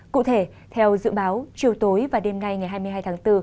cụ thể theo dự báo chiều tối và đêm nay ngày hai mươi hai tháng bốn